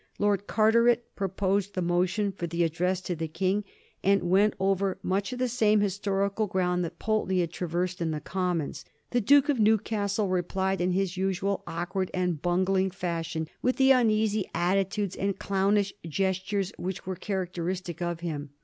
Lord Carteret proposed the motion for the Address to the King, and went over much of the 90 ^ HISTORT OF THE FOUR GEORGESu ch. xxri. same historical ground that Pal ten ey had traversed in the Commons. The Duke of Newcastle replied in his usual awkward and bungling fashion, with the uneasy at titudes and clownish gestures which were characteristic of him.